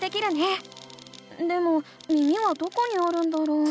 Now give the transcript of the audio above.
でも耳はどこにあるんだろう？